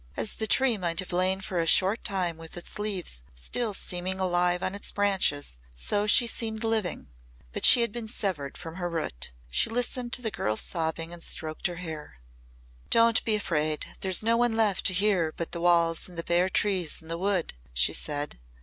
As the tree might have lain for a short time with its leaves still seeming alive on its branches so she seemed living. But she had been severed from her root. She listened to the girl's sobbing and stroked her hair. "Don't be afraid. There's no one left to hear but the walls and the bare trees in the wood," she said.